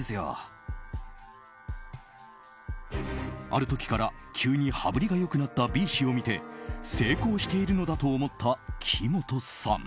ある時から急に羽振りが良くなったＢ氏を見て成功しているのだと思った木本さん。